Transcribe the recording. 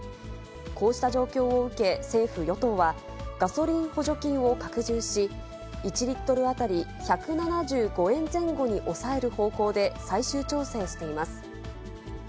こうした状況を受け、政府・与党は、ガソリン補助金を拡充し、１リットル当たり１７５円前後に抑える方向で最終調整しています。